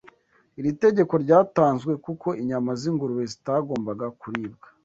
Iri tegeko ryatanzwe kuko inyama z’ingurube zitagomba kuribwa